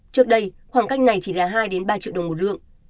trước đây khoảng cách này chỉ là hai ba triệu đồng một lượng